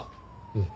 うん。